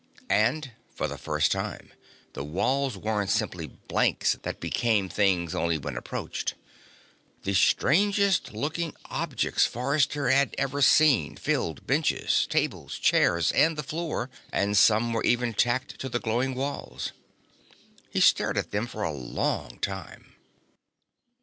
And, for the first time, the walls weren't simply blanks that became things only when approached. The strangest looking objects Forrester had ever seen filled benches, tables, chairs and the floor, and some were even tacked to the glowing walls. He stared at them for a long time.